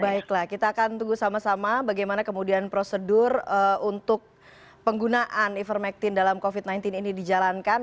baiklah kita akan tunggu sama sama bagaimana kemudian prosedur untuk penggunaan ivermectin dalam covid sembilan belas ini dijalankan